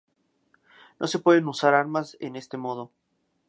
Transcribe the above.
No se pueden usar armas en este modo.